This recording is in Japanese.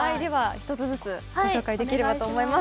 １つずつご紹介できればと思います。